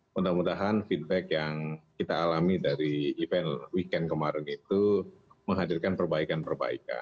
mudah mudahan feedback yang kita alami dari event weekend kemarin itu menghadirkan perbaikan perbaikan